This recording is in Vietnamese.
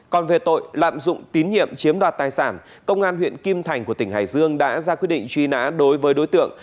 còn về tội lạm dụng tín nhiệm chiếm đoạt tài sản công an huyện kim thành của tỉnh hải dương đã ra quyết định truy nã đối với đối tượng